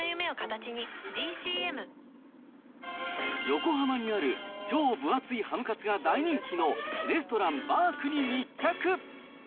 横浜にある、超分厚いハムカツが大人気のレストランばーくに密着。